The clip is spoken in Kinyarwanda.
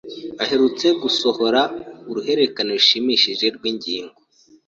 Aherutse gusohora urukurikirane rushimishije rw'ingingo